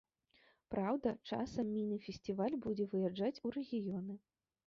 Праўда, часам міні-фестываль будзе выязджаць у рэгіёны.